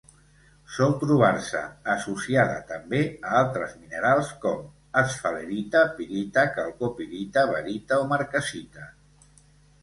Sol trobar-se associada també a altres minerals com: esfalerita, pirita, calcopirita, barita o marcassita.